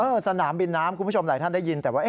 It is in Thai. เออสนามบินน้ำคุณผู้ชมไหนท่านได้ยิน